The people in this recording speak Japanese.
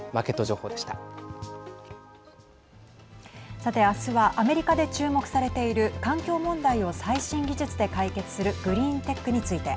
さて明日はアメリカで注目されている環境問題を最新技術で解決するグリーンテックについて。